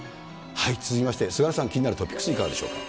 続きまして、菅原さん、気になるトピックス、いかがでしょうか。